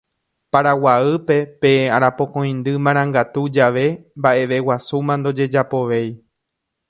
Paraguáype pe Arapokõindy Marangatu jave mba'eveguasúma ndojejapovéi